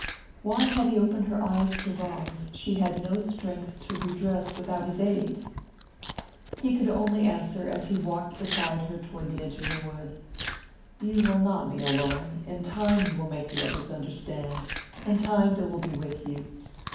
Why had he opened her eyes to wrongs she had no strength to redress without his aid? He could only answer, as he walked beside her toward the edge of the wood: "You will not be alone in time you will make the others understand; in time they will be with you."